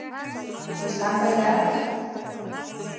دوستان پیدا کړئ.